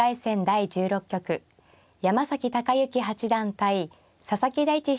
第１６局山崎隆之八段対佐々木大地